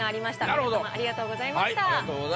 皆様ありがとうございました。